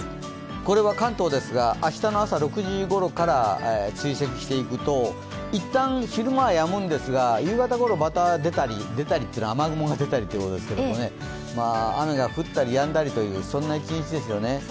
これは関東ですが、明日の朝６時ごろから追跡していくと、一旦昼間はやむんですが夕方は、また雨雲が出たりということですけどね、雨が降ったりやんだりというそんな一日ですよね。